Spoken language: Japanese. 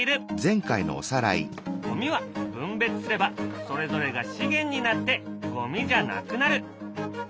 ゴミは分別すればそれぞれが資源になってゴミじゃなくなる。